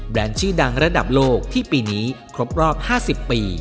ชื่อดังระดับโลกที่ปีนี้ครบรอบ๕๐ปี